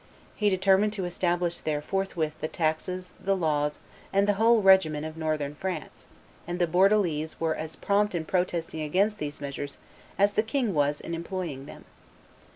He determined to establish there forthwith the taxes, the laws, and the whole regimen of Northern France; and the Bordelese were as prompt in protesting against these measures as the king was in employing them.